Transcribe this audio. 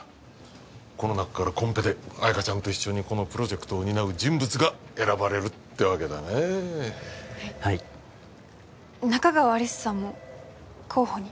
この中からコンペで綾香ちゃんと一緒にこのプロジェクトを担う人物が選ばれるってわけだねはい仲川有栖さんも候補に？